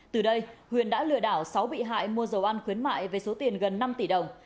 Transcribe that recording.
từ đây huyền đã lừa đảo sáu bị hại mua dầu ăn khuyến mại với số tiền gần năm tỷ đồng